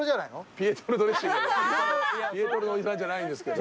ピエトロのおじさんじゃないんですけど。